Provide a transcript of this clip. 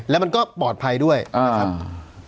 แล้วมันก็ปลอดภัยด้วยนะครับ